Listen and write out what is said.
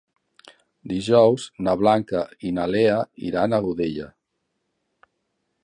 Dijous na Blanca i na Lea iran a Godella.